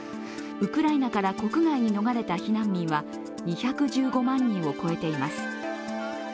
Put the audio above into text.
ウクライナから国外に逃れた避難民は２１５万人を超えています。